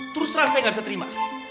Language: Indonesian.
terus rasa gak bisa terima